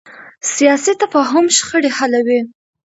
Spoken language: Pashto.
سیاسي تفاهم شخړې حلوي